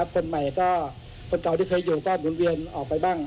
คนใหม่ก็คนเก่าที่เคยอยู่ก็หมุนเวียนออกไปบ้าง